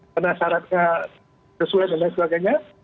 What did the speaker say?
karena syaratnya sesuai dan lain sebagainya